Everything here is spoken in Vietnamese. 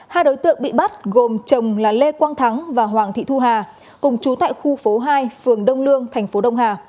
hai đối tượng bị bắt gồm chồng lê quang thắng và hoàng thị thu hà cùng chú tại khu phố hai phường đông lương tp đông hà